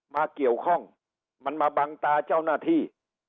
มาเกี่ยวข้องมันมาบังตาเจ้าหน้าที่